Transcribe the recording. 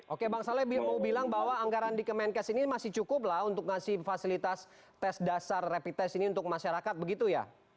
oke bang saleh mau bilang bahwa anggaran di kemenkes ini masih cukup lah untuk ngasih fasilitas tes dasar rapid test ini untuk masyarakat begitu ya